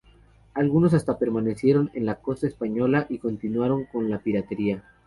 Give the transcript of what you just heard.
Algunos hasta permanecieron en la costa española y continuaron con la piratería.